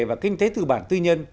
và kinh tế tư bản tư nhân